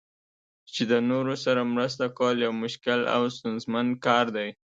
چې د نورو سره مرسته کول یو مشکل او ستونزمن کار دی.